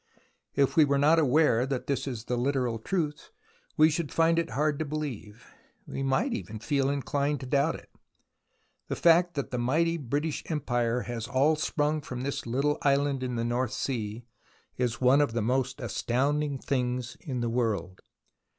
If we were not aware that this is the literal truth, we should find it hard to believe, we might even feel inclined to doubt it. The fact that the mighty British Empire has all sprung from this little island in the North Sea is one of the most astounding things in the world.